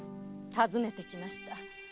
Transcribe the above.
訪ねてきました。